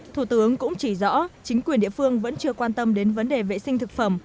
thủ tướng cũng chỉ rõ chính quyền địa phương vẫn chưa quan tâm đến vấn đề vệ sinh thực phẩm